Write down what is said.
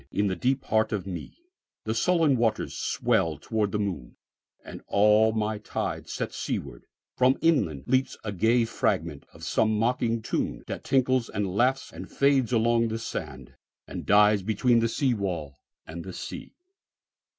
In the deep heart of meThe sullen waters swell towards the moon, And all my tides set seaward. From inlandLeaps a gay fragment of some mocking tune, That tinkles and laughs and fades along the sand, And dies between the seawall and the sea.